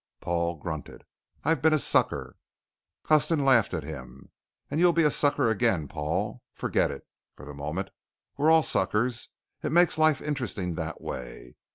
Paul grunted. "I've been a sucker." Huston laughed at him. "And you'll be a sucker again, Paul. Forget it, for the moment. We're all suckers. It makes life interesting that way.